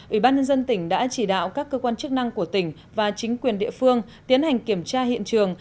ủy ban nhân dân tỉnh đã chỉ đạo các cơ quan chức năng của tỉnh và chính quyền địa phương tiến hành kiểm tra hiện trường